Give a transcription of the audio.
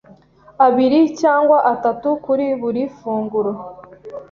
abiri cyangwa atatu kuri buri funguro,